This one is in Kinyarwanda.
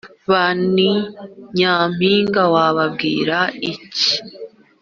ba ni nyampinga wababwira iki?